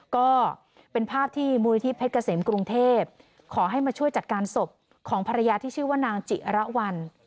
ก็เป็นภาพที่มูลนิธิเพชรเกษมกรุงเทพขอให้มาช่วยจัดการศพของภรรยาที่ชื่อว่านางจิระวัล